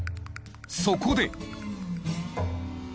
そこで。